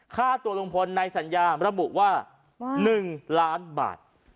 ค่าตัวลุงพลในสัญญาระบุว่า๑ล้านบาท